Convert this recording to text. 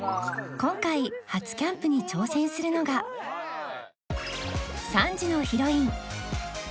今回初キャンプに挑戦するのが３時のヒロイン